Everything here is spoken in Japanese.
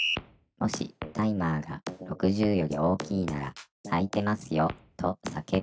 「もしタイマーが６０より大きいなら『開いてますよ』とさけぶ」